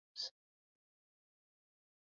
Bryce's tenure was not without criticism.